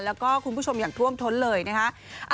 แล้วก็คุณผู้ชมอย่างท่วมท้นเลยนะคะ